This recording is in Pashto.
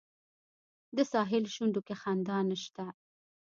د ساحل شونډو کې خندا نشته